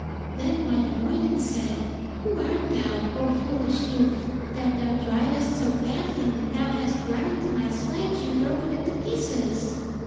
Then Wainamoinen said: 'Who art thou, O foolish youth, that thou drivest so badly that thou hast run into my sledge and broken it to pieces?'